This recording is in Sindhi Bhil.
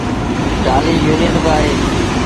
ٽآلهيٚ يونيٚن با اهي